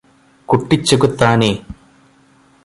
കുട്ടിച്ചെകുത്താനേ